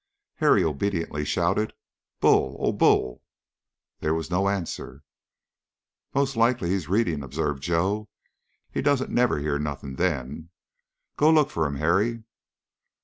Harry obediently shouted, "Bull! Oh, Bull!" There was no answer. "Most like he's reading," observed Joe. "He don't never hear nothing then. Go look for him, Harry."